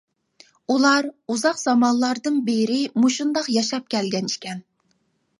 ئۇلار ئۇزاق زامانلاردىن بېرى مۇشۇنداق ياشاپ كەلگەن ئىكەن.